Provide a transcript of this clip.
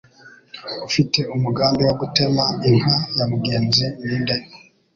ufite umugambi wo gutema inka ya mugenzi ninde